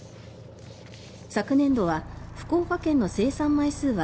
昨年度は福岡県の生産枚数は